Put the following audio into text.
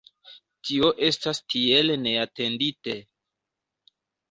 Tio estas tiel neatendite.